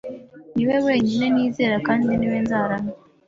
Ni we wenyine nizera, kandi ni we nzaramya.